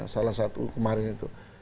salah satu kemarin itu